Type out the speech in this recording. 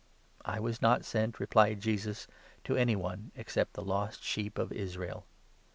" I was not sent," replied Jesus, " to any one except the lost sheep of Israel."